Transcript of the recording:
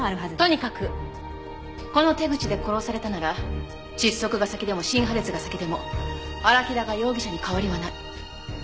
とにかくこの手口で殺されたなら窒息が先でも心破裂が先でも荒木田が容疑者に変わりはない。